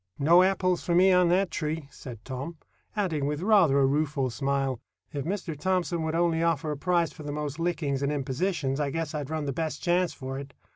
"No apples for me on that tree," said Tom; adding with rather a rueful smile, "If Mr. Thomson would only offer a prize for the most lickings and impositions, I guess I'd run the best chance for it."